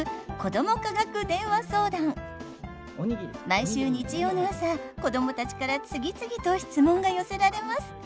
毎週日曜の朝子どもたちから次々と質問が寄せられます。